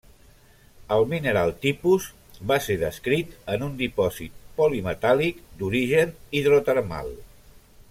El mineral tipus va ser descrit en un dipòsit polimetàl·lic d'origen hidrotermal.